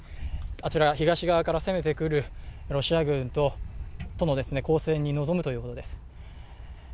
あちら東側から攻めてくるロシア軍との交戦に臨むということです。